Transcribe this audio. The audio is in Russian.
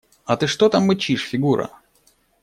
А ты что там мычишь, Фигура?